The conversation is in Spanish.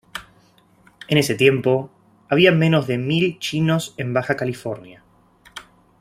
En ese tiempo, habían menos de mil chinos en Baja California.